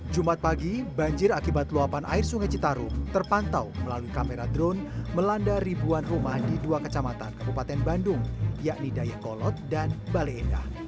jumat pagi banjir akibat luapan air sungai citarum terpantau melalui kamera drone melanda ribuan rumah di dua kecamatan kabupaten bandung yakni dayakolot dan baleendah